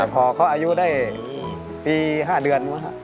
พอเขาอายุได้ปี๕เดือนมั้ง